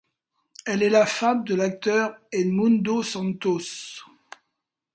Elle est la femme de l'acteur Edmundo Santos.